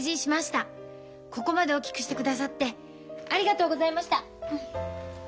ここまで大きくしてくださってありがとうございました。